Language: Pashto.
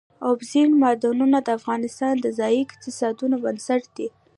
اوبزین معدنونه د افغانستان د ځایي اقتصادونو بنسټ دی.